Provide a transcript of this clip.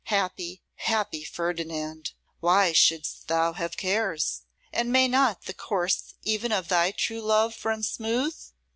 Happy, happy Ferdinand! Why shouldst thou have cares? And may not the course even of thy true love run smooth?